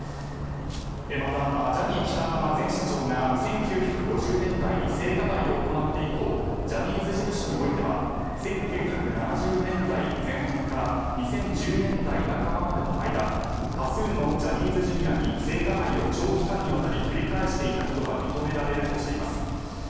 また、ジャニー喜多川前社長が１９５０年代に性加害を行って以降ジャニーズ事務所においては１９７０年代前半から２０１０年代半ばまでの間多数のジャニーズＪｒ．に性加害を長期間にわたり繰り返していたと認められるとしています。